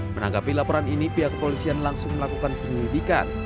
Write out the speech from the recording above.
menanggapi laporan ini pihak kepolisian langsung melakukan penyelidikan